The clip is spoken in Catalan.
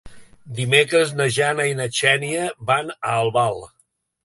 Dimecres na Jana i na Xènia van a Albal.